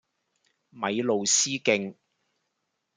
米路斯徑